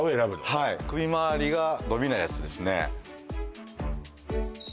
はい首回りが伸びないやつですね